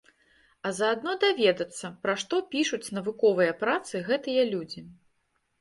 А заадно даведацца, пра што пішуць навуковыя працы гэтыя людзі.